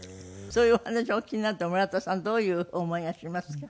そういうお話お聞きになって村田さんどういう思いがしますか？